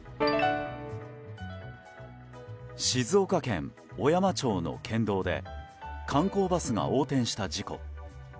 静岡県小山町の県道で観光バスが横転した事故。